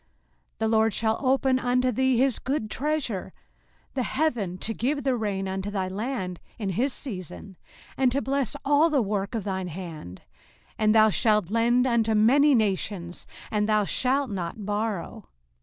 05:028:012 The LORD shall open unto thee his good treasure, the heaven to give the rain unto thy land in his season, and to bless all the work of thine hand: and thou shalt lend unto many nations, and thou shalt not borrow.